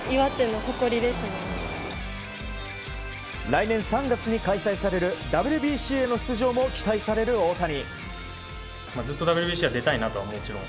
来年３月に開催されるＷＢＣへの出場も期待される大谷。